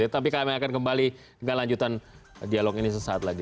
tapi kami akan kembali dengan lanjutan dialog ini sesaat lagi